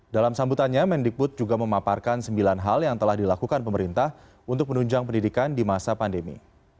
dalam sambutannya mendikbud juga memaparkan sembilan hal yang telah dilakukan pemerintah untuk menunjang pendidikan di masa pandemi